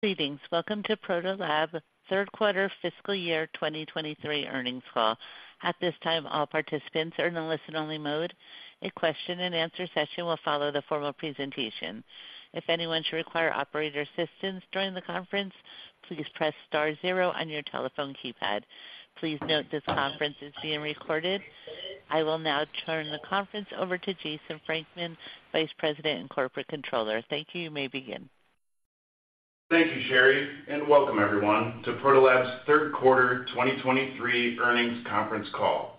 Greetings. Welcome to Protolabs' third quarter fiscal year 2023 earnings call. At this time, all participants are in a listen-only mode. A question-and-answer session will follow the formal presentation. If anyone should require operator assistance during the conference, please press star zero on your telephone keypad. Please note this conference is being recorded. I will now turn the conference over to Jason Frankman, Vice President and Corporate Controller. Thank you. You may begin. Thank you, Sherry, and welcome everyone to Protolabs' third quarter 2023 earnings conference call.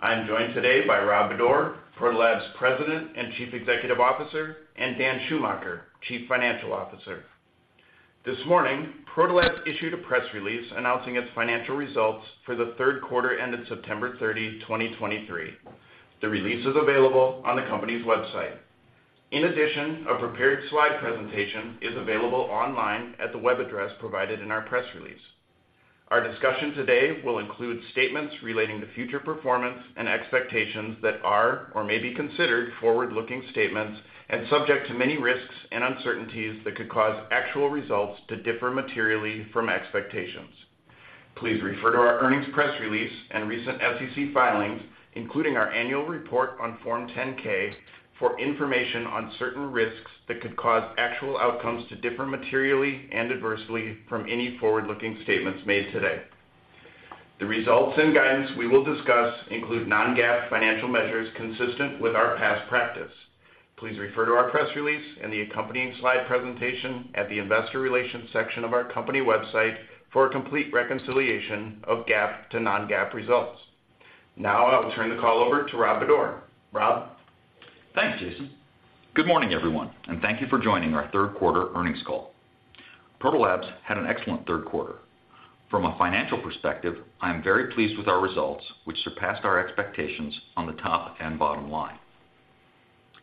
I'm joined today by Rob Bodor, Protolabs' President and Chief Executive Officer, and Dan Schumacher, Chief Financial Officer. This morning, Protolabs issued a press release announcing its financial results for the third quarter ended September 30, 2023. The release is available on the company's website. In addition, a prepared slide presentation is available online at the web address provided in our press release. Our discussion today will include statements relating to future performance and expectations that are or may be considered forward-looking statements and subject to many risks and uncertainties that could cause actual results to differ materially from expectations. Please refer to our earnings press release and recent SEC filings, including our annual report on Form 10-K for information on certain risks that could cause actual outcomes to differ materially and adversely from any forward-looking statements made today. The results and guidance we will discuss include non-GAAP financial measures consistent with our past practice. Please refer to our press release and the accompanying slide presentation at the investor relations section of our company website for a complete reconciliation of GAAP to non-GAAP results. Now I will turn the call over to Rob Bodor. Rob? Thanks, Jason. Good morning, everyone, and thank you for joining our third quarter earnings call. Protolabs had an excellent third quarter. From a financial perspective, I am very pleased with our results, which surpassed our expectations on the top and bottom line.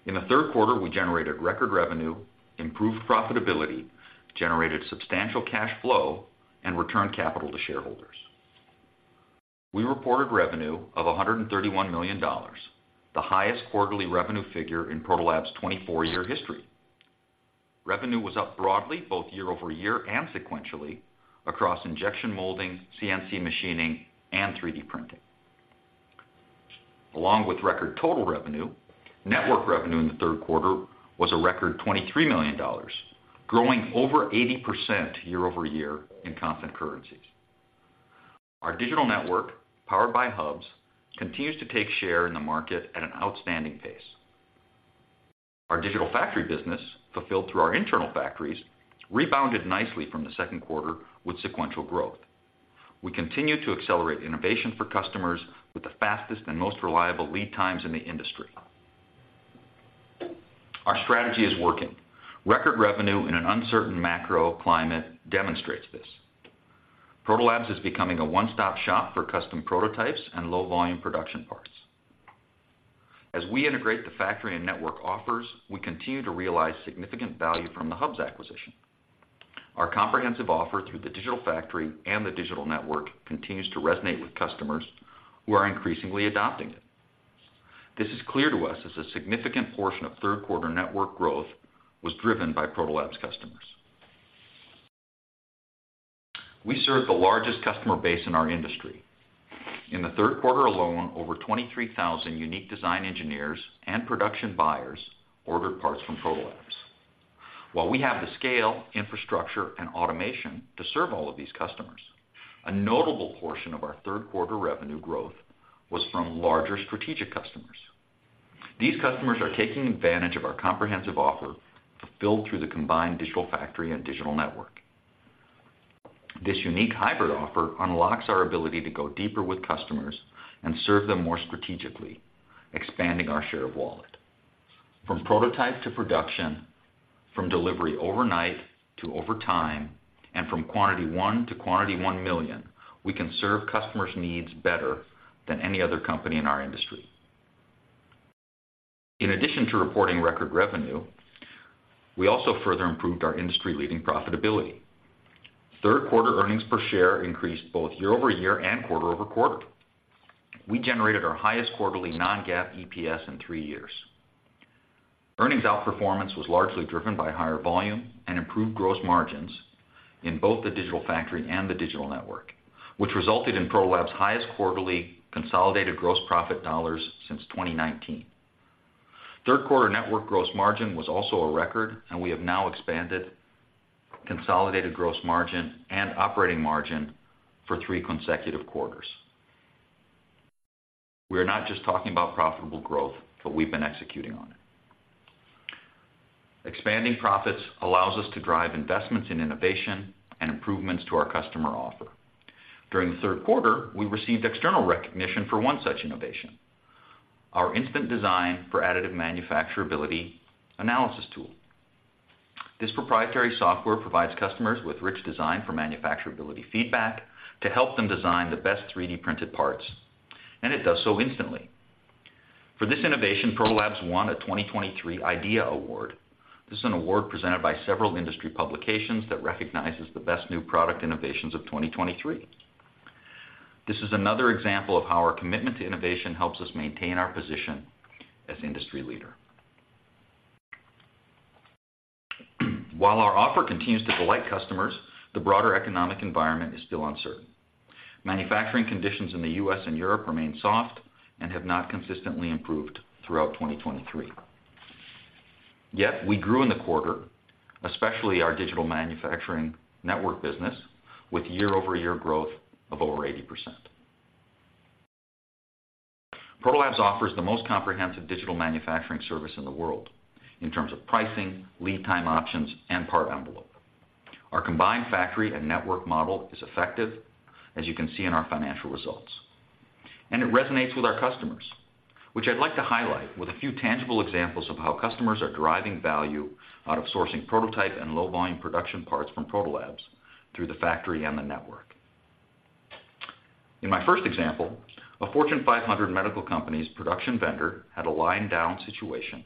In the third quarter, we generated record revenue, improved profitability, generated substantial cash flow, and returned capital to shareholders. We reported revenue of $131 million, the highest quarterly revenue figure in Protolabs's 24-year history. Revenue was up broadly, both year-over-year and sequentially, across injection molding, CNC machining, and 3D printing. Along with record total revenue, network revenue in the third quarter was a record $23 million, growing over 80% year-over-year in constant currencies. Our digital network, powered by Hubs, continues to take share in the market at an outstanding pace. Our digital factory business, fulfilled through our internal factories, rebounded nicely from the second quarter with sequential growth. We continue to accelerate innovation for customers with the fastest and most reliable lead times in the industry. Our strategy is working. Record revenue in an uncertain macro climate demonstrates this. Protolabs is becoming a one-stop shop for custom prototypes and low-volume production parts. As we integrate the factory and network offers, we continue to realize significant value from the Hubs acquisition. Our comprehensive offer through the digital factory and the digital network continues to resonate with customers who are increasingly adopting it. This is clear to us as a significant portion of third-quarter network growth was driven by Protolabs customers. We serve the largest customer base in our industry. In the third quarter alone, over 23,000 unique design engineers and production buyers ordered parts from Protolabs. While we have the scale, infrastructure, and automation to serve all of these customers, a notable portion of our third quarter revenue growth was from larger strategic customers. These customers are taking advantage of our comprehensive offer fulfilled through the combined digital factory and digital network. This unique hybrid offer unlocks our ability to go deeper with customers and serve them more strategically, expanding our share of wallet. From prototype to production, from delivery overnight to over time, and from quantity 1 to quantity 1 million, we can serve customers' needs better than any other company in our industry. In addition to reporting record revenue, we also further improved our industry-leading profitability. Third quarter earnings per share increased both year-over-year and quarter-over-quarter. We generated our highest quarterly non-GAAP EPS in 3 years. Earnings outperformance was largely driven by higher volume and improved gross margins in both the digital factory and the digital network, which resulted in Protolabs' highest quarterly consolidated gross profit dollars since 2019. Third quarter network gross margin was also a record, and we have now expanded consolidated gross margin and operating margin for 3 consecutive quarters. We are not just talking about profitable growth, but we've been executing on it. Expanding profits allows us to drive investments in innovation and improvements to our customer offer. During the third quarter, we received external recognition for one such innovation, our instant design for additive manufacturability analysis tool. This proprietary software provides customers with rich design for manufacturability feedback to help them design the best 3D printed parts, and it does so instantly. For this innovation, Protolabs won a 2023 IDEA Award. This is an award presented by several industry publications that recognizes the best new product innovations of 2023. This is another example of how our commitment to innovation helps us maintain our position as industry leader. While our offer continues to delight customers, the broader economic environment is still uncertain. Manufacturing conditions in the U.S. and Europe remain soft and have not consistently improved throughout 2023. Yet we grew in the quarter, especially our digital manufacturing network business, with year-over-year growth of over 80%. Protolabs offers the most comprehensive digital manufacturing service in the world in terms of pricing, lead time options, and part envelope. Our combined factory and network model is effective, as you can see in our financial results, and it resonates with our customers, which I'd like to highlight with a few tangible examples of how customers are deriving value out of sourcing prototype and low-volume production parts from Protolabs through the factory and the network. In my first example, a Fortune 500 medical company's production vendor had a line down situation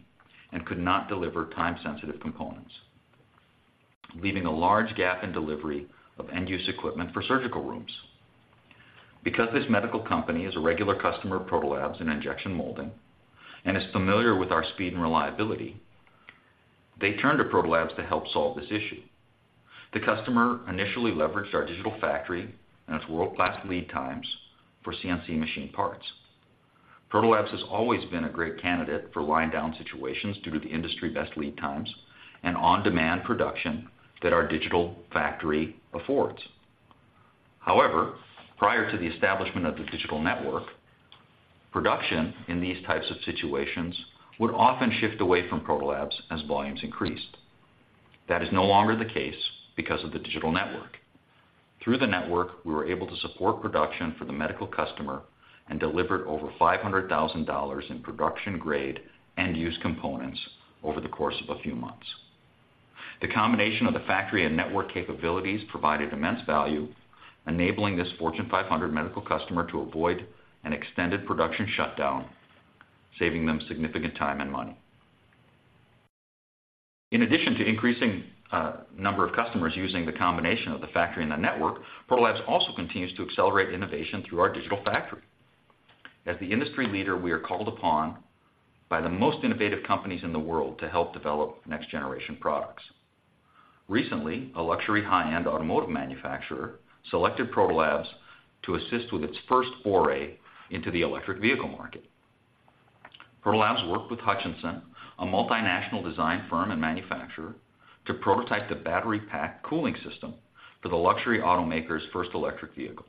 and could not deliver time-sensitive components, leaving a large gap in delivery of end-use equipment for surgical rooms. Because this medical company is a regular customer of Protolabs in Injection Molding and is familiar with our speed and reliability, they turned to Protolabs to help solve this issue. The customer initially leveraged our digital factory and its world-class lead times for CNC machine parts. Protolabs has always been a great candidate for line down situations due to the industry-best lead times and on-demand production that our digital factory affords. However, prior to the establishment of the digital network, production in these types of situations would often shift away from Protolabs as volumes increased. That is no longer the case because of the digital network. Through the network, we were able to support production for the medical customer and delivered over $500,000 in production grade end-use components over the course of a few months. The combination of the factory and network capabilities provided immense value, enabling this Fortune 500 medical customer to avoid an extended production shutdown, saving them significant time and money. In addition to increasing number of customers using the combination of the factory and the network, Protolabs also continues to accelerate innovation through our digital factory. As the industry leader, we are called upon by the most innovative companies in the world to help develop next-generation products. Recently, a luxury high-end automotive manufacturer selected Protolabs to assist with its first foray into the electric vehicle market. Protolabs worked with Hutchinson, a multinational design firm and manufacturer, to prototype the battery pack cooling system for the luxury automaker's first electric vehicle.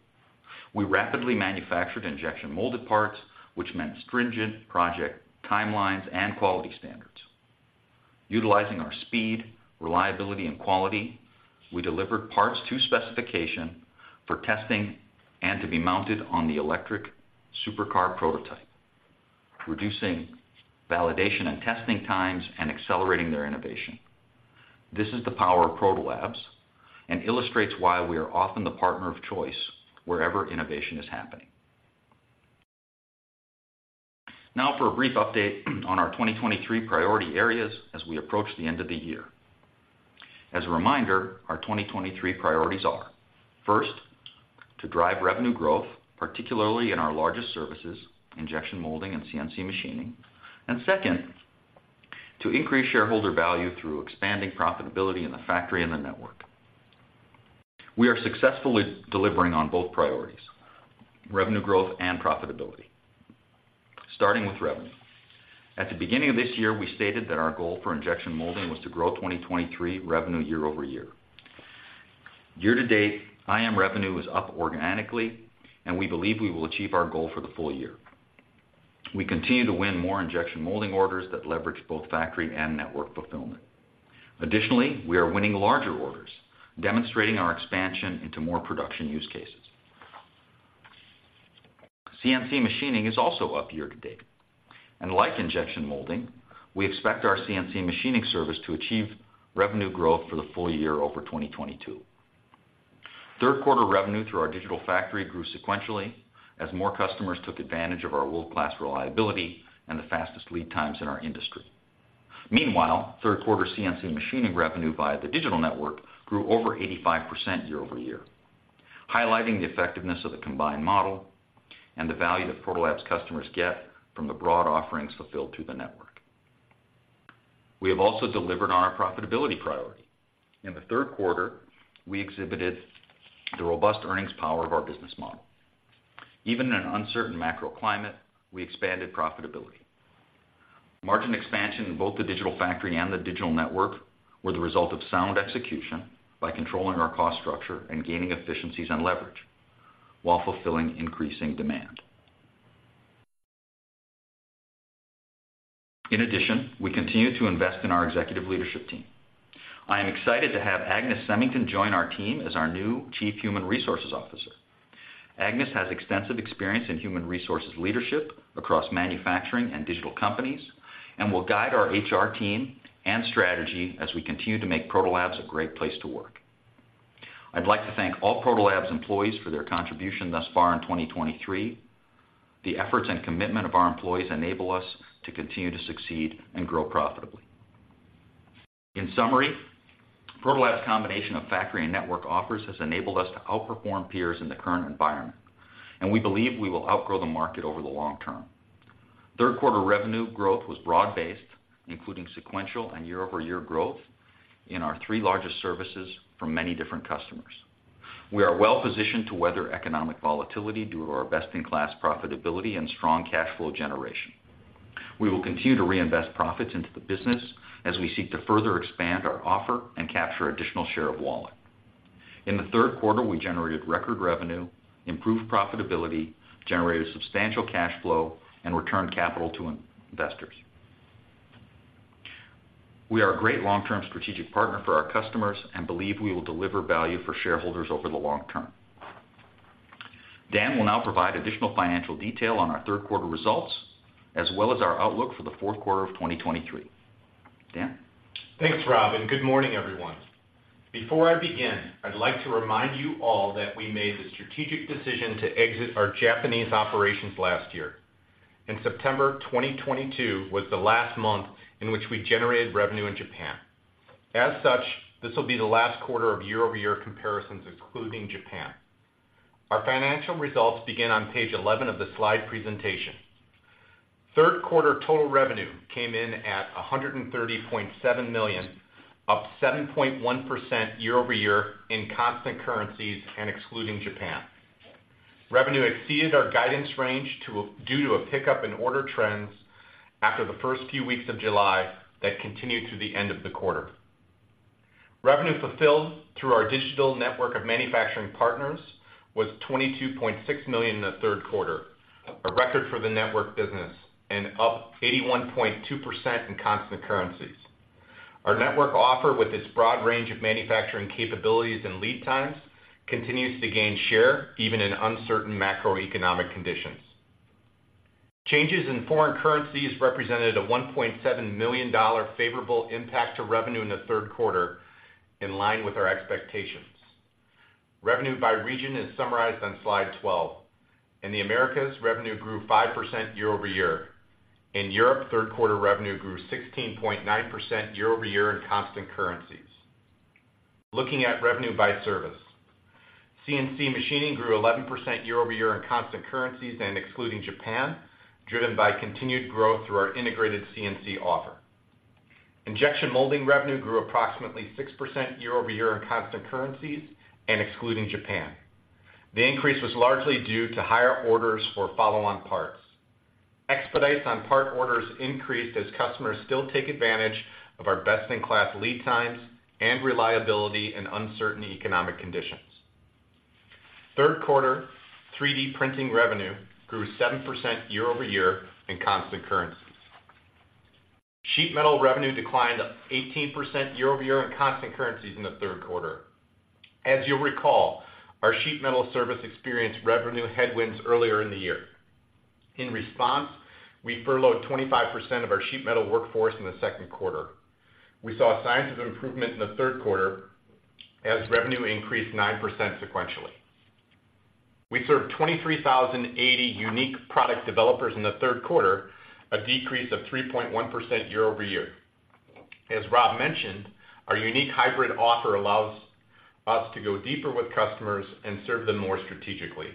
We rapidly manufactured injection molded parts, which meant stringent project timelines and quality standards. Utilizing our speed, reliability, and quality, we delivered parts to specification for testing and to be mounted on the electric supercar prototype, reducing validation and testing times and accelerating their innovation. This is the power of Protolabs and illustrates why we are often the partner of choice wherever innovation is happening. Now for a brief update on our 2023 priority areas as we approach the end of the year. As a reminder, our 2023 priorities are, first, to drive revenue growth, particularly in our largest services, injection molding and CNC machining, and second, to increase shareholder value through expanding profitability in the factory and the network. We are successfully delivering on both priorities, revenue growth and profitability. Starting with revenue. At the beginning of this year, we stated that our goal for injection molding was to grow 2023 revenue year-over-year. Year to date, IM revenue is up organically, and we believe we will achieve our goal for the full year. We continue to win more injection molding orders that leverage both factory and network fulfillment. Additionally, we are winning larger orders, demonstrating our expansion into more production use cases. CNC machining is also up year to date, and like injection molding, we expect our CNC machining service to achieve revenue growth for the full year over 2022. Third quarter revenue through our digital factory grew sequentially as more customers took advantage of our world-class reliability and the fastest lead times in our industry. Meanwhile, Q3 CNC machining revenue via the digital network grew over 85% year-over-year, highlighting the effectiveness of the combined model and the value that Protolabs customers get from the broad offerings fulfilled through the network. We have also delivered on our profitability priority. In the third quarter, we exhibited the robust earnings power of our business model. Even in an uncertain macro climate, we expanded profitability. Margin expansion in both the digital factory and the digital network were the result of sound execution by controlling our cost structure and gaining efficiencies and leverage while fulfilling increasing demand. In addition, we continue to invest in our executive leadership team. I am excited to have Agnes Semington join our team as our new Chief Human Resources Officer. Agnes has extensive experience in human resources leadership across manufacturing and digital companies, and will guide our HR team and strategy as we continue to make Protolabs a great place to work. I'd like to thank all Protolabs employees for their contribution thus far in 2023. The efforts and commitment of our employees enable us to continue to succeed and grow profitably. In summary, Protolabs' combination of factory and network offers has enabled us to outperform peers in the current environment, and we believe we will outgrow the market over the long term. Third quarter revenue growth was broad-based, including sequential and year-over-year growth in our three largest services from many different customers. We are well-positioned to weather economic volatility due to our best-in-class profitability and strong cash flow generation. We will continue to reinvest profits into the business as we seek to further expand our offer and capture additional share of wallet. In the third quarter, we generated record revenue, improved profitability, generated substantial cash flow, and returned capital to investors. We are a great long-term strategic partner for our customers and believe we will deliver value for shareholders over the long term. Dan will now provide additional financial detail on our third quarter results, as well as our outlook for the fourth quarter of 2023. Dan? Thanks, Rob, and good morning, everyone. Before I begin, I'd like to remind you all that we made the strategic decision to exit our Japanese operations last year. In September 2022 was the last month in which we generated revenue in Japan. As such, this will be the last quarter of year-over-year comparisons, excluding Japan. Our financial results begin on page 11 of the slide presentation. Third quarter total revenue came in at $130.7 million, up 7.1% year-over-year in constant currencies and excluding Japan. Revenue exceeded our guidance range due to a pickup in order trends after the first few weeks of July that continued through the end of the quarter. Revenue fulfilled through our digital network of manufacturing partners was $22.6 million in the third quarter, a record for the network business, and up 81.2% in constant currencies. Our network offer, with its broad range of manufacturing capabilities and lead times, continues to gain share, even in uncertain macroeconomic conditions. Changes in foreign currencies represented a $1.7 million favorable impact to revenue in the third quarter, in line with our expectations. Revenue by region is summarized on Slide 12. In the Americas, revenue grew 5% year-over-year. In Europe, third quarter revenue grew 16.9% year-over-year in constant currencies. Looking at revenue by service, CNC machining grew 11% year-over-year in constant currencies and excluding Japan, driven by continued growth through our integrated CNC offer. Injection molding revenue grew approximately 6% year-over-year in constant currencies and excluding Japan. The increase was largely due to higher orders for follow-on parts. Expedites on part orders increased as customers still take advantage of our best-in-class lead times and reliability in uncertain economic conditions. Third quarter 3D printing revenue grew 7% year-over-year in constant currencies. Sheet Metal revenue declined 18% year-over-year in constant currencies in the third quarter. As you'll recall, our Sheet Metal service experienced revenue headwinds earlier in the year. In response, we furloughed 25% of our Sheet Metal workforce in the second quarter. We saw signs of improvement in the third quarter as revenue increased 9% sequentially. We served 23,080 unique product developers in the third quarter, a decrease of 3.1% year-over-year. As Rob mentioned, our unique hybrid offer allows us to go deeper with customers and serve them more strategically,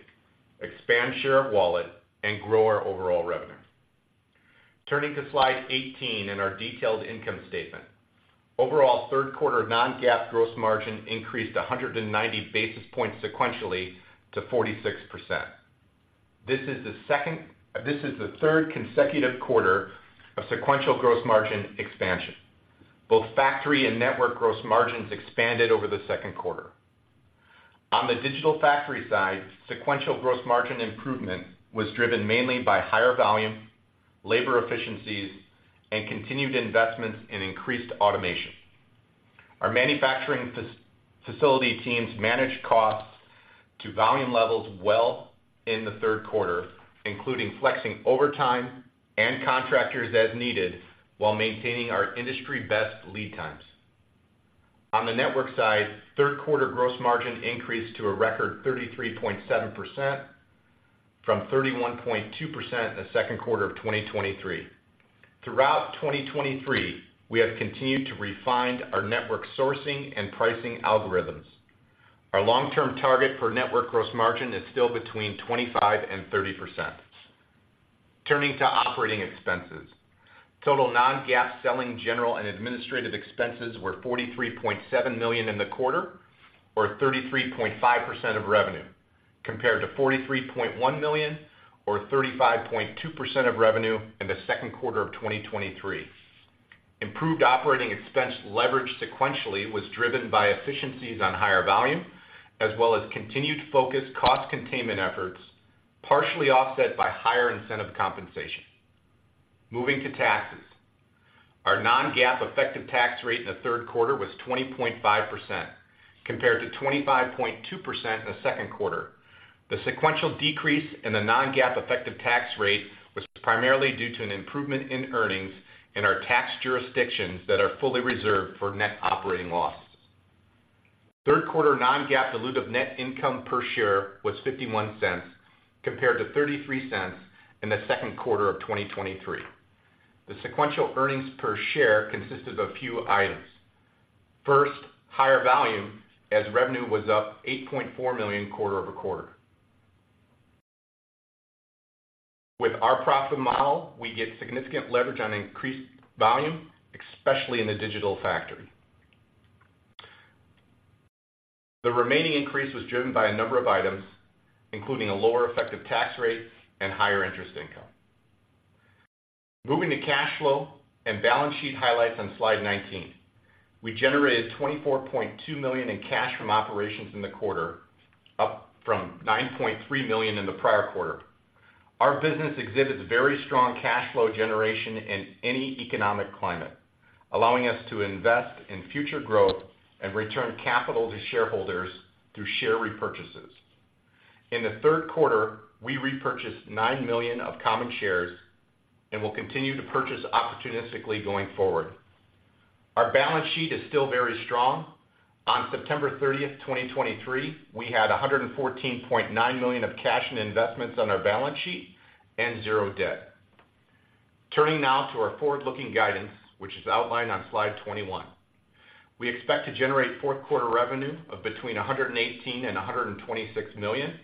expand share of wallet, and grow our overall revenue. Turning to Slide 18 in our detailed income statement. Overall, third quarter non-GAAP gross margin increased 190 basis points sequentially to 46%. This is the third consecutive quarter of sequential gross margin expansion. Both factory and network gross margins expanded over the second quarter. On the digital factory side, sequential gross margin improvement was driven mainly by higher volume, labor efficiencies, and continued investments in increased automation. Our manufacturing facility teams managed costs to volume levels well in the Q3, including flexing overtime and contractors as needed, while maintaining our industry-best lead times. On the network side, third quarter gross margin increased to a record 33.7%, from 31.2% in the second quarter of 2023. Throughout 2023, we have continued to refined our network sourcing and pricing algorithms. Our long-term target for network gross margin is still between 25% and 30%. Turning to operating expenses. Total non-GAAP selling, general, and administrative expenses were $43.7 million in the quarter, or 33.5% of revenue, compared to $43.1 million, or 35.2% of revenue in the second quarter of 2023. Improved operating expense leverage sequentially was driven by efficiencies on higher volume, as well as continued focused cost containment efforts, partially offset by higher incentive compensation. Moving to taxes. Our non-GAAP effective tax rate in the third quarter was 20.5%, compared to 25.2% in the second quarter. The sequential decrease in the non-GAAP effective tax rate was primarily due to an improvement in earnings in our tax jurisdictions that are fully reserved for net operating loss. Third quarter non-GAAP diluted net income per share was $0.51, compared to $0.33 in the second quarter of 2023. The sequential earnings per share consisted of a few items. First, higher volume, as revenue was up $8.4 million quarter-over-quarter. With our profit model, we get significant leverage on increased volume, especially in the digital factory. The remaining increase was driven by a number of items, including a lower effective tax rate and higher interest income. Moving to cash flow and balance sheet highlights on slide 19. We generated $24.2 million in cash from operations in the quarter, up from $9.3 million in the prior quarter. Our business exhibits very strong cash flow generation in any economic climate, allowing us to invest in future growth and return capital to shareholders through share repurchases. In the third quarter, we repurchased 9 million of common shares and will continue to purchase opportunistically going forward. Our balance sheet is still very strong. On September 30, 2023, we had $114.9 million of cash and investments on our balance sheet and 0 debt. Turning now to our forward-looking guidance, which is outlined on slide 21. We expect to generate fourth quarter revenue of between $118 million and $126 million.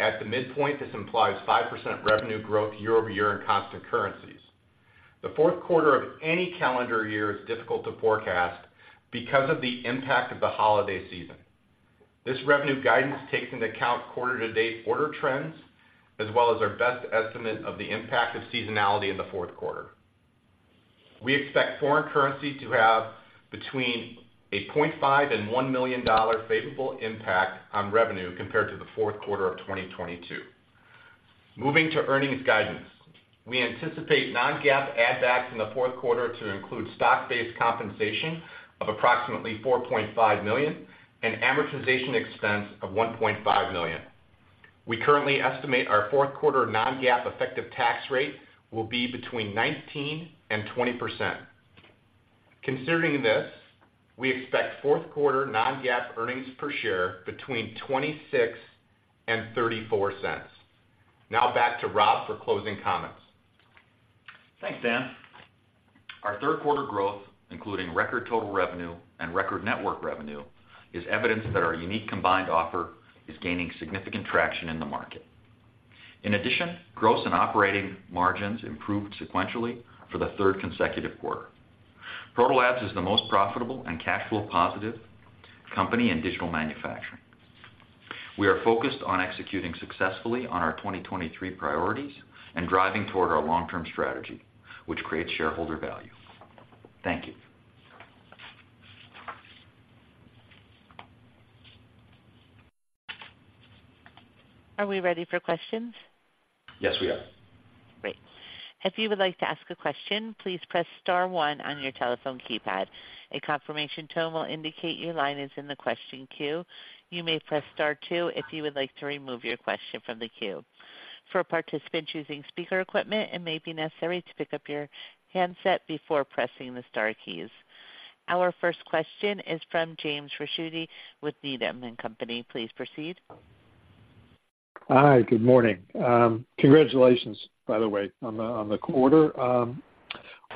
At the midpoint, this implies 5% revenue growth year-over-year in constant currencies. The fourth quarter of any calendar year is difficult to forecast because of the impact of the holiday season. This revenue guidance takes into account quarter-to-date order trends, as well as our best estimate of the impact of seasonality in the fourth quarter. We expect foreign currency to have between $0.5 million and $1 million favorable impact on revenue compared to the fourth quarter of 2022. Moving to earnings guidance. We anticipate non-GAAP add backs in the fourth quarter to include stock-based compensation of approximately $4.5 million and amortization expense of $1.5 million. We currently estimate our fourth quarter non-GAAP effective tax rate will be between 19% and 20%. Considering this, we expect fourth quarter non-GAAP earnings per share between $0.26 and $0.34. Now back to Rob for closing comments. Thanks, Dan. Our third quarter growth, including record total revenue and record network revenue, is evidence that our unique combined offer is gaining significant traction in the market. In addition, gross and operating margins improved sequentially for the third consecutive quarter. Protolabs is the most profitable and cash flow positive company in digital manufacturing. We are focused on executing successfully on our 2023 priorities and driving toward our long-term strategy, which creates shareholder value. Thank you. Are we ready for questions? Yes, we are. Great. If you would like to ask a question, please press star one on your telephone keypad. A confirmation tone will indicate your line is in the question queue. You may press star two if you would like to remove your question from the queue. For participants using speaker equipment, it may be necessary to pick up your handset before pressing the star keys. Our first question is from Jim Ricchiuti with Needham and Company. Please proceed. Hi, good morning. Congratulations, by the way, on the quarter.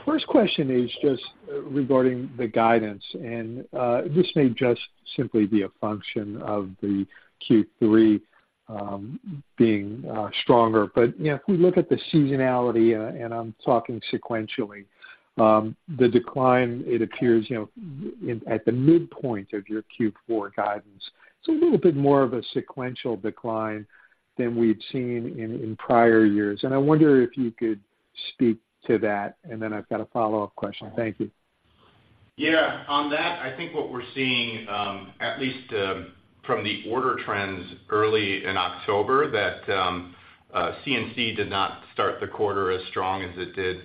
First question is just regarding the guidance, and this may just simply be a function of the Q3 being stronger. But, you know, if we look at the seasonality, and I'm talking sequentially, the decline, it appears, you know, at the midpoint of your Q4 guidance, it's a little bit more of a sequential decline than we've seen in prior years. And I wonder if you could speak to that, and then I've got a follow-up question. Thank you. Yeah. On that, I think what we're seeing, at least, from the order trends early in October, that, CNC did not start the quarter as strong as it did,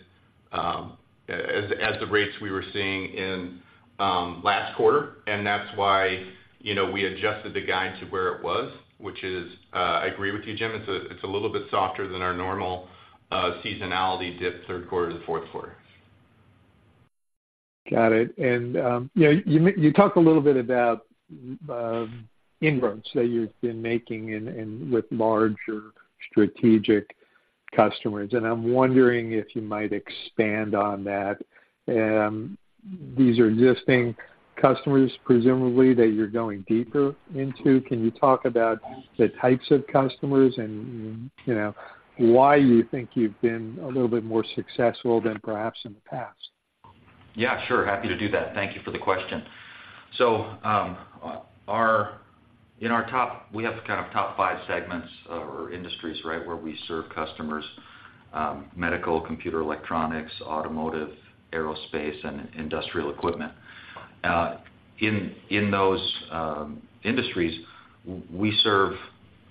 as the rates we were seeing in, last quarter. And that's why, you know, we adjusted the guide to where it was, which is, I agree with you, Jim, it's a little bit softer than our normal, seasonality dip, third quarter to the fourth quarter. Got it. You know, you talked a little bit about inroads that you've been making and with larger strategic customers, and I'm wondering if you might expand on that. These are existing customers, presumably, that you're going deeper into. Can you talk about the types of customers and, you know, why you think you've been a little bit more successful than perhaps in the past? Yeah, sure, happy to do that. Thank you for the question. So, our. In our top, we have kind of top 5 segments or industries, right, where we serve customers, medical, computer, electronics, automotive, aerospace, and industrial equipment. In those industries, we serve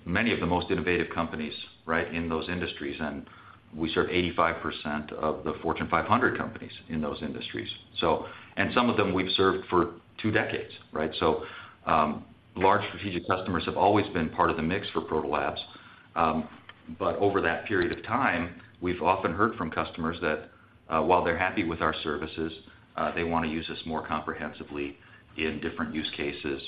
many of the most innovative companies, right, in those industries, and we serve 85% of the Fortune 500 companies in those industries. And some of them we've served for two decades, right? So, large strategic customers have always been part of the mix for Protolabs. But over that period of time, we've often heard from customers that, while they're happy with our services, they want to use us more comprehensively, in different use cases,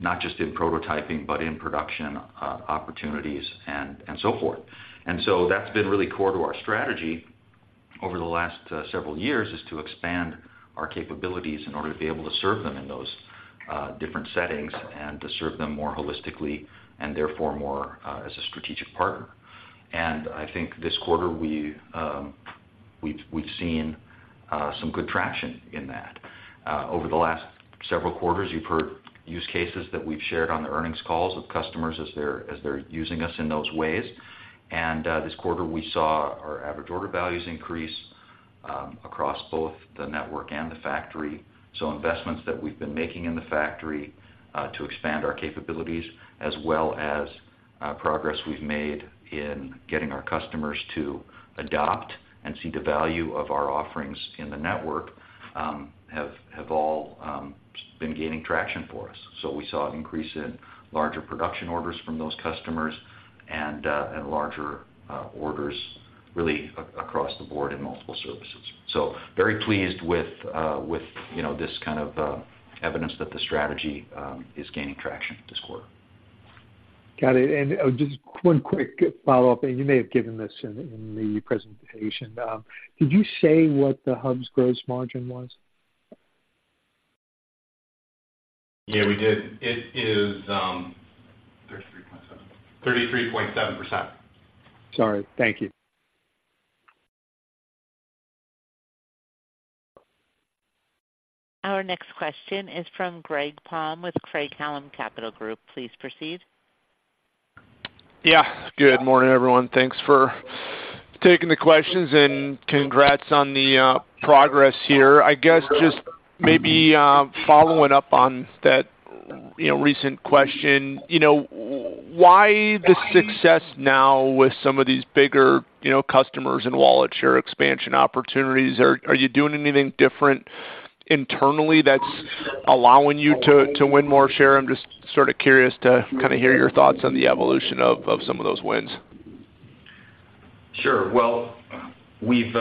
not just in prototyping, but in production, opportunities and so forth. And so that's been really core to our strategy over the last several years, is to expand our capabilities in order to be able to serve them in those different settings and to serve them more holistically and therefore more as a strategic partner. And I think this quarter, we've seen some good traction in that. Over the last several quarters, you've heard use cases that we've shared on the earnings calls of customers as they're using us in those ways. And this quarter, we saw our average order values increase across both the network and the factory. So investments that we've been making in the factory to expand our capabilities, as well as progress we've made in getting our customers to adopt and see the value of our offerings in the network, have all been gaining traction for us. So we saw an increase in larger production orders from those customers and larger orders really across the board in multiple services. So very pleased with you know, this kind of evidence that the strategy is gaining traction this quarter. Got it. And, just one quick follow-up and you may have given this in the presentation. Did you say what the Hubs gross margin was? Yeah, we did. It is 33.7. 33.7%. Sorry. Thank you. Our next question is from Greg Palm with Craig-Hallum Capital Group. Please proceed. Yeah. Good morning, everyone. Thanks for taking the questions, and congrats on the progress here. I guess just maybe following up on that, you know, recent question. You know, why the success now with some of these bigger, you know, customers and wallet share expansion opportunities? Are you doing anything different internally that's allowing you to win more share? I'm just sort of curious to kind of hear your thoughts on the evolution of some of those wins. Sure. Well, we've,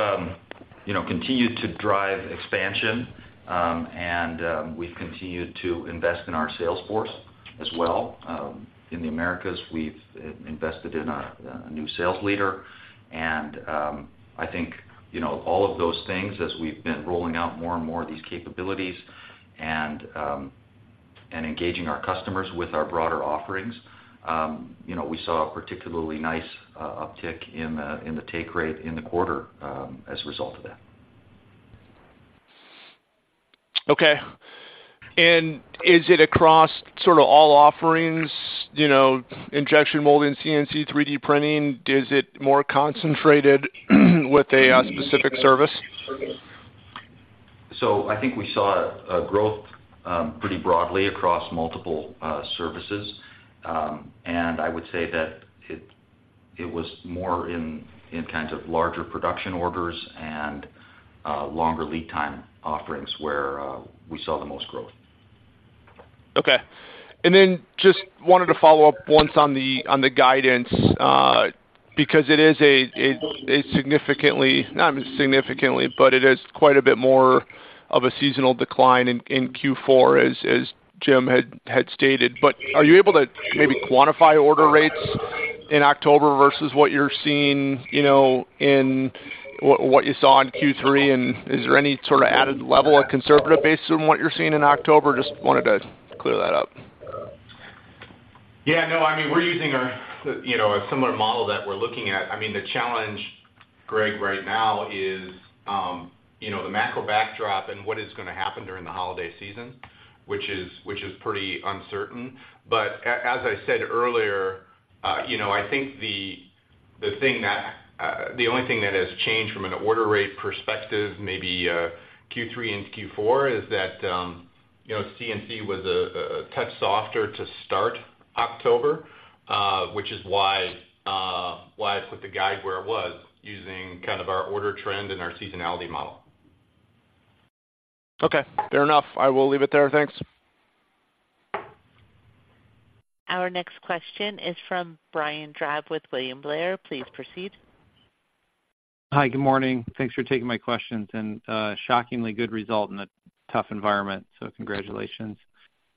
you know, continued to drive expansion, and we've continued to invest in our sales force as well. In the Americas, we've invested in a new sales leader. And I think, you know, all of those things, as we've been rolling out more and more of these capabilities and engaging our customers with our broader offerings, you know, we saw a particularly nice uptick in the take rate in the quarter as a result of that. Okay. And is it across sort of all offerings, injection molding, CNC, 3D printing? Is it more concentrated with a specific service? I think we saw a growth pretty broadly across multiple services. I would say that it was more in kind of larger production orders and longer lead time offerings where we saw the most growth. Okay. And then just wanted to follow up once on the guidance, because it is a significantly. Not significantly, but it is quite a bit more of a seasonal decline in Q4, as Jim had stated. But are you able to maybe quantify order rates in October versus what you're seeing, you know, in what you saw in Q3, and is there any sort of added level of conservative base from what you're seeing in October? Just wanted to clear that up. Yeah, no, I mean, we're using our, you know, a similar model that we're looking at. I mean, the challenge, Greg, right now is, you know, the macro backdrop and what is going to happen during the holiday season, which is pretty uncertain. But as I said earlier, you know, I think the only thing that has changed from an order rate perspective, maybe Q3 and Q4, is that, you know, CNC was a touch softer to start October, which is why I put the guide where it was, using kind of our order trend and our seasonality model. Okay, fair enough. I will leave it there. Thanks. Our next question is from Brian Drab with William Blair. Please proceed. Hi, good morning. Thanks for taking my questions, and shockingly good result in a tough environment, so congratulations.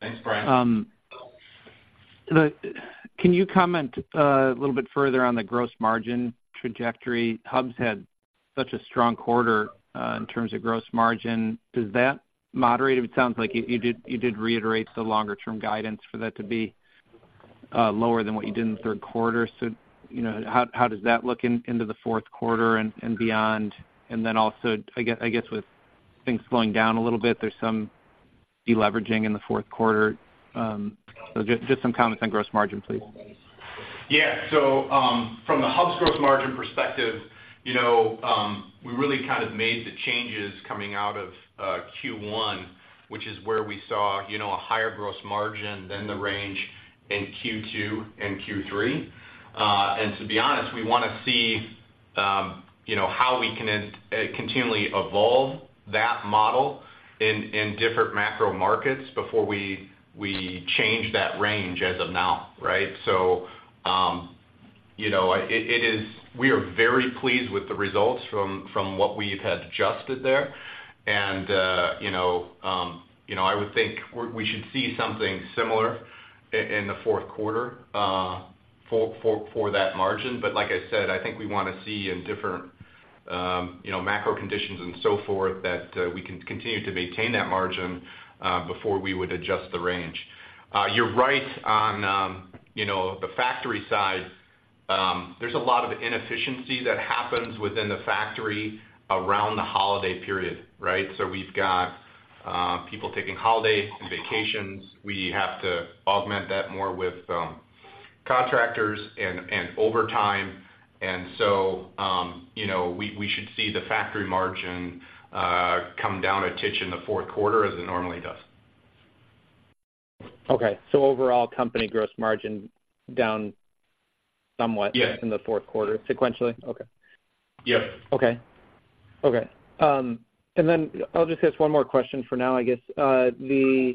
Thanks, Brian. Can you comment a little bit further on the gross margin trajectory? Hubs had such a strong quarter in terms of gross margin. Does that moderate? It sounds like you did reiterate the longer-term guidance for that to be lower than what you did in the third quarter. So, how does that look into the fourth quarter and beyond? And then also, I guess with things slowing down a little bit, there's some deleveraging in the fourth quarter. So just some comments on gross margin, please. Yeah. So, from the Hubs gross margin perspective, you know, we really kind of made the changes coming out of Q1, which is where we saw, you know, a higher gross margin than the range in Q2 and Q3. And to be honest, we want to see you know, how we can then continually evolve that model in different macro markets before we change that range as of now, right? So, you know, it is, we are very pleased with the results from what we've adjusted there. And, you know, you know, I would think we should see something similar in the fourth quarter for that margin. But like I said, I think we want to see in different you know, macro conditions and so forth, that we can continue to maintain that margin before we would adjust the range. You're right on, you know, the factory side. There's a lot of inefficiency that happens within the factory around the holiday period, right? So we've got people taking holidays and vacations. We have to augment that more with contractors and overtime. And so, you know, we should see the factory margin come down a titch in the fourth quarter as it normally does. Okay. So overall, company Gross Margin down somewhat? Yeah In the fourth quarter sequentially? Okay. Yep. Okay. Okay, and then I'll just ask one more question for now, I guess. The,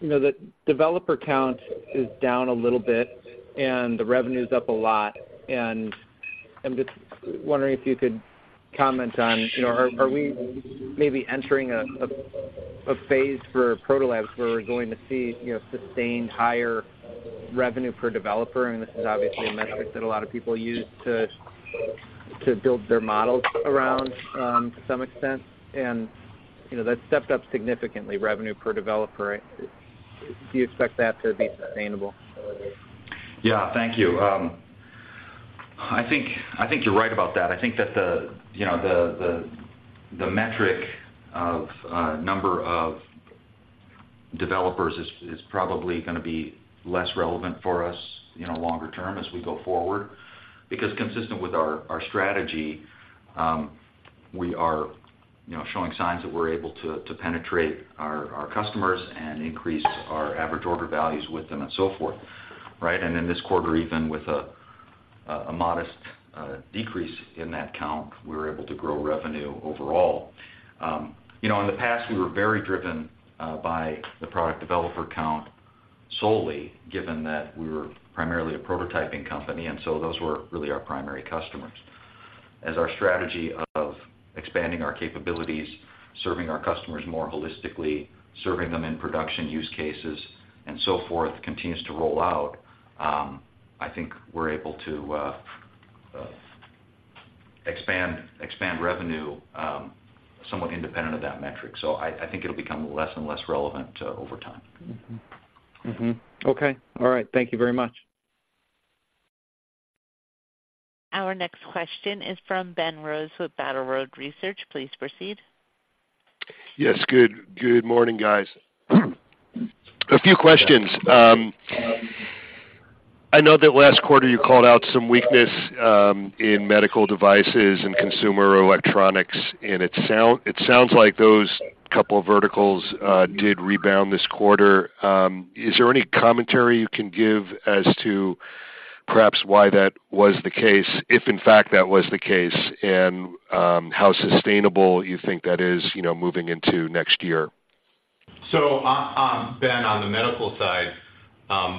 you know, the developer count is down a little bit, and the revenue's up a lot. And I'm just wondering if you could comment on, you know, are, are we maybe entering a, a, a phase for Protolabs where we're going to see, you know, sustained higher revenue per developer? I mean, this is obviously a metric that a lot of people use to, to build their models around, to some extent. And, you know, that's stepped up significantly, revenue per developer. Do you expect that to be sustainable? Yeah, thank you. I think, I think you're right about that. I think that the, you know, the metric of number of developers is probably going to be less relevant for us, you know, longer term as we go forward, because consistent with our strategy, we are, you know, showing signs that we're able to penetrate our customers and increase our average order values with them, and so forth, right? And in this quarter, even with a modest decrease in that count, we were able to grow revenue overall. You know, in the past, we were very driven by the product developer count solely, given that we were primarily a prototyping company, and so those were really our primary customers. As our strategy of expanding our capabilities, serving our customers more holistically, serving them in production use cases, and so forth, continues to roll out, I think we're able to expand revenue somewhat independent of that metric. So I think it'll become less and less relevant over time. Okay. All right. Thank you very much. Our next question is from Ben Rose with Battle Road Research. Please proceed. Yes, good morning, guys. A few questions. I know that last quarter, you called out some weakness in medical devices and consumer electronics, and it sounds like those couple of verticals did rebound this quarter. Is there any commentary you can give as to perhaps why that was the case, if in fact that was the case, and how sustainable you think that is, you know, moving into next year? So, Ben, on the medical side,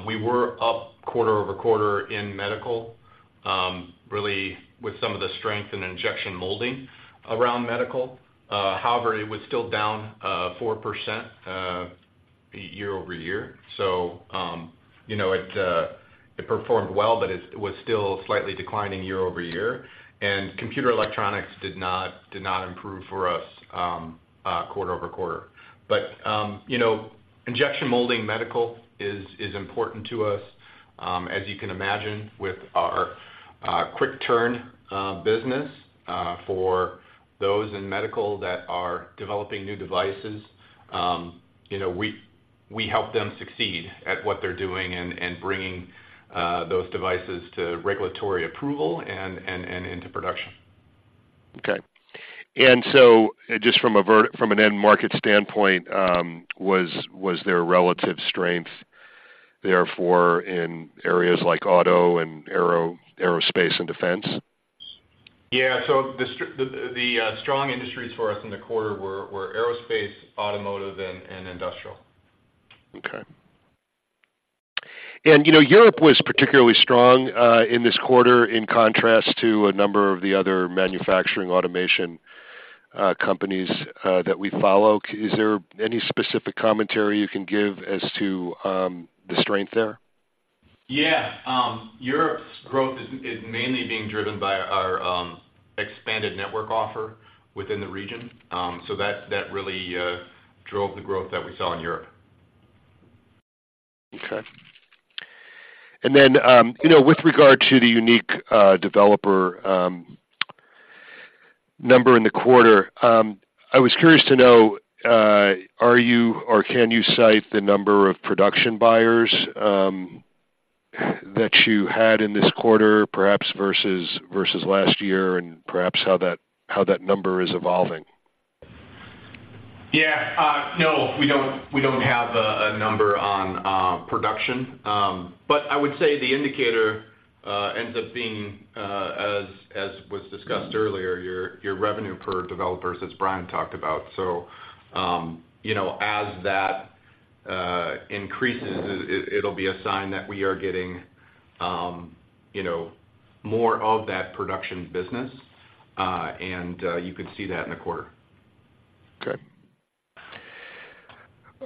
we were up quarter-over-quarter in medical, really with some of the strength in injection molding around medical. However, it was still down 4% year-over-year. So, you know, it performed well, but it was still slightly declining year-over-year. And computer electronics did not improve for us quarter-over-quarter. But, you know, injection molding medical is important to us, as you can imagine, with our quick turn business for those in medical that are developing new devices, you know, we help them succeed at what they're doing and bringing those devices to regulatory approval and into production. Okay. And so just from an end market standpoint, was there a relative strength therefore, in areas like auto and aerospace and defense? Yeah. So the strong industries for us in the quarter were aerospace, automotive, and industrial. Okay. And, you know, Europe was particularly strong in this quarter, in contrast to a number of the other manufacturing automation companies that we follow. Is there any specific commentary you can give as to the strength there? Yeah, Europe's growth is mainly being driven by our expanded network offer within the region. So that really drove the growth that we saw in Europe. Okay. And then, you know, with regard to the unique developer number in the quarter, I was curious to know, are you or can you cite the number of production buyers that you had in this quarter, perhaps versus last year, and perhaps how that number is evolving? Yeah. No, we don't have a number on production. But I would say the indicator ends up being, as was discussed earlier, your revenue per developer, as Brian talked about. So, you know, as that increases, it'll be a sign that we are getting, you know, more of that production business and you can see that in the quarter. Okay.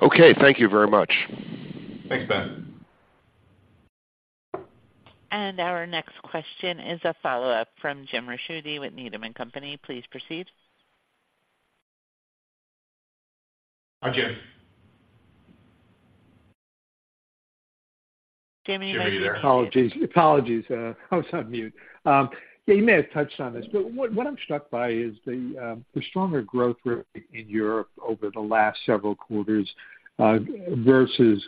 Okay, thank you very much. Thanks, Ben. Our next question is a follow-up from James Ricchiuti with Needham and Company. Please proceed. Hi, Jim. Jimmy, are you there? Apologies. Apologies, I was on mute. Yeah, you may have touched on this, but what I'm struck by is the stronger growth rate in Europe over the last several quarters versus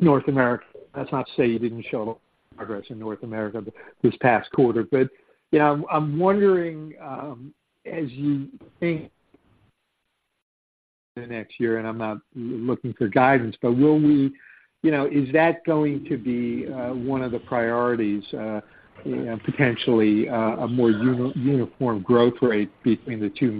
North America. That's not to say you didn't show progress in North America this past quarter, but yeah, I'm wondering as you think the next year, and I'm not looking for guidance, but will we—you know, is that going to be one of the priorities, potentially a more uniform growth rate between the two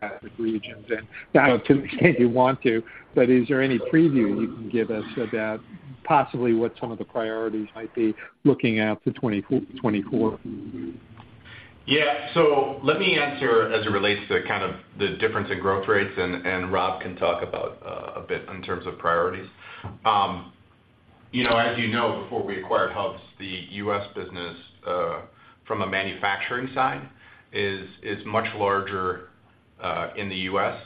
main regions? And to the extent you want to, but is there any preview you can give us about possibly what some of the priorities might be looking out to 2024? Yeah. So let me answer as it relates to kind of the difference in growth rates, and Rob can talk about a bit in terms of priorities. You know, as you know, before we acquired Hubs, the U.S. business, from a manufacturing side, is much larger in the U.S.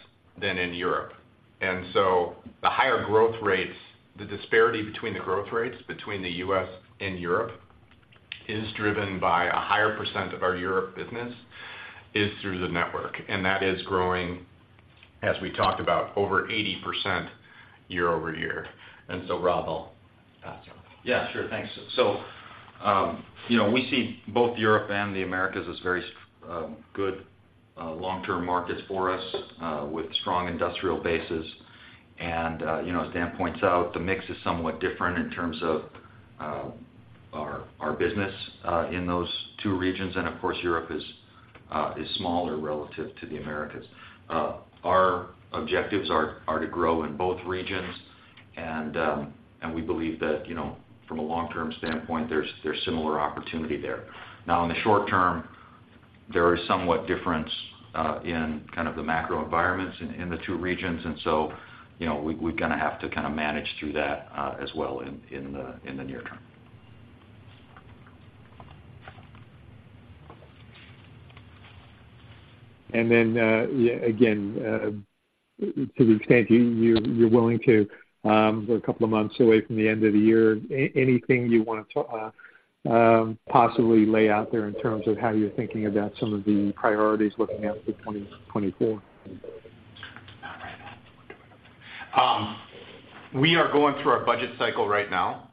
than in Europe. And so the higher growth rates, the disparity between the growth rates between the U.S. and Europe, is driven by a higher percent of our Europe business is through the network, and that is growing, as we talked about, over 80% year-over-year. And so Rob will add something. Yeah, sure. Thanks. So, you know, we see both Europe and the Americas as very good long-term markets for us with strong industrial bases. And, you know, as Dan points out, the mix is somewhat different in terms of our business in those two regions. And of course, Europe is smaller relative to the Americas. Our objectives are to grow in both regions, and we believe that, you know, from a long-term standpoint, there's similar opportunity there. Now, in the short term, there is somewhat difference in kind of the macro environments in the two regions, and so, you know, we're going to have to kind of manage through that as well in the near term. Then, again, to the extent you're willing to, we're a couple of months away from the end of the year, anything you want to possibly lay out there in terms of how you're thinking about some of the priorities looking out to 2024? We are going through our budget cycle right now,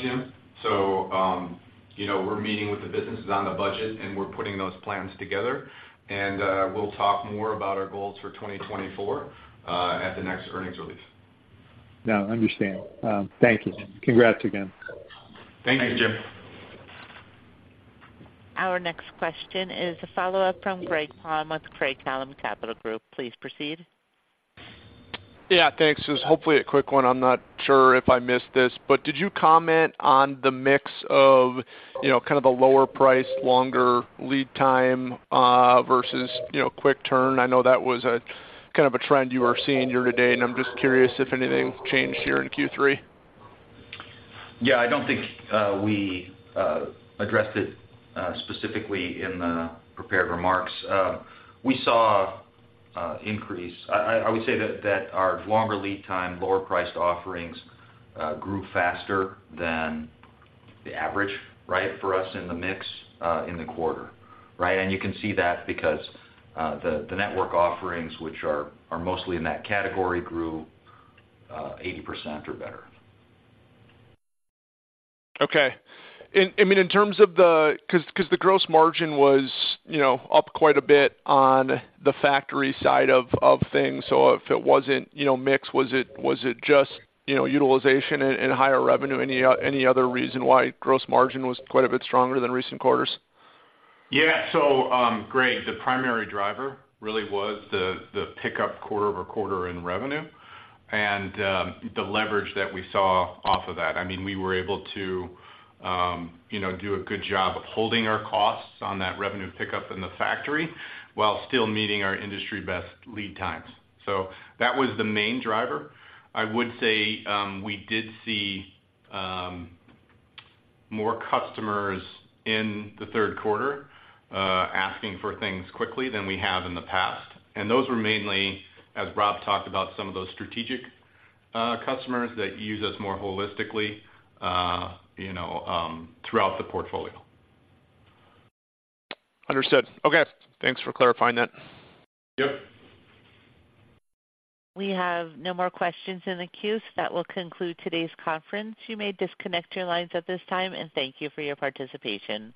Jim. You know, we're meeting with the businesses on the budget, and we're putting those plans together, and we'll talk more about our goals for 2024 at the next earnings release. No, I understand. Thank you. Congrats again. Thank you, Jim. Our next question is a follow-up from Greg Palm with Craig-Hallum Capital Group. Please proceed. Yeah, thanks. This is hopefully a quick one. I'm not sure if I missed this, but did you comment on the mix of, you know, kind of the lower price, longer lead time, versus, you know, quick turn? I know that was a kind of a trend you were seeing year to date, and I'm just curious if anything changed here in Q3. Yeah, I don't think we addressed it specifically in the prepared remarks. We saw increase. I would say that our longer lead time, lower priced offerings grew faster than the average, right, for us in the mix in the quarter, right? And you can see that because the network offerings, which are mostly in that category, grew 80% or better. Okay. And, I mean, in terms of the. 'Cause, 'cause the gross margin was, you know, up quite a bit on the factory side of, of things. So if it wasn't, you know, mix, was it, was it just, you know, utilization and, and higher revenue? Any other reason why gross margin was quite a bit stronger than recent quarters? Yeah. So, Greg, the primary driver really was the pickup quarter-over-quarter in revenue and the leverage that we saw off of that. I mean, we were able to, you know, do a good job of holding our costs on that revenue pickup in the factory, while still meeting our industry best lead times. So that was the main driver. I would say, we did see more customers in the third quarter asking for things quickly than we have in the past. And those were mainly, as Rob talked about, some of those strategic customers that use us more holistically, you know, throughout the portfolio. Understood. Okay. Thanks for clarifying that. Yep. We have no more questions in the queue, so that will conclude today's conference. You may disconnect your lines at this time and thank you for your participation.